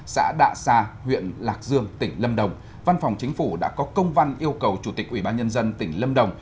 xã đạ sa huyện lạc dương tỉnh lâm đồng văn phòng chính phủ đã có công văn yêu cầu chủ tịch ủy ban nhân dân tỉnh lâm đồng